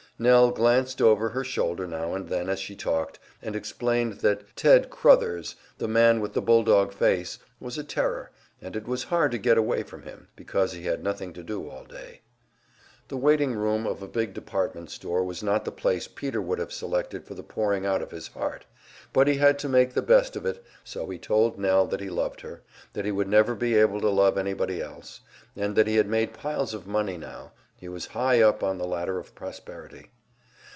Nell glanced over her shoulder now and then as she talked, and explained that Ted Crothers, the man with the bulldog face, was a terror, and it was hard to get away from him, because he had nothing to do all day. The waiting room of a big department store was not the place Peter would have selected for the pouring out of his heart; but he had to make the best of it, so he told Nell that he loved her, that he would never be able to love anybody else, and that he had made piles of money now, he was high up on the ladder of prosperity.